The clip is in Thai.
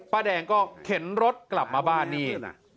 แดงก็เข็นรถกลับมาบ้านนี่